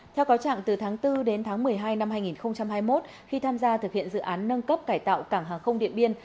theo cáo trạng từ tháng bốn đến tháng một mươi hai năm hai nghìn hai mươi một khi tham gia thực hiện dự án nâng cấp cải tạo cảng hàng không điện biên